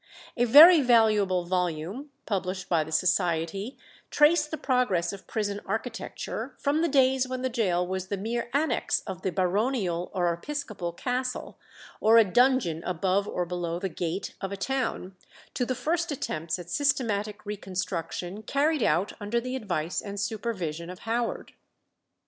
A very valuable volume published by the Society traced the progress of prison architecture from the days when the gaol was the mere annexe of the baronial or episcopal castle, or a dungeon above or below the gate of a town, to the first attempts at systematic reconstruction carried out under the advice and supervision of Howard.